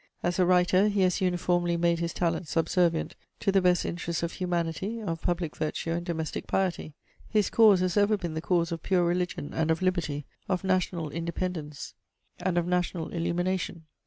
As a writer, he has uniformly made his talents subservient to the best interests of humanity, of public virtue, and domestic piety; his cause has ever been the cause of pure religion and of liberty, of national independence and of national illumination.